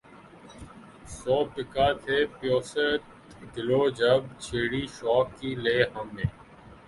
سو پیکاں تھے پیوست گلو جب چھیڑی شوق کی لے ہم نے